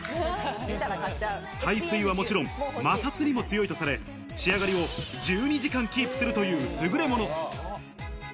耐水はもちろん、摩擦にも強いとされ、仕上がりを１２時間キープするというすぐれもの。